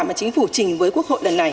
mà chính phủ trình với quốc hội lần này